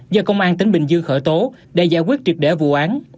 do công an tỉnh bình dương khởi tố để giải quyết triệt để vụ án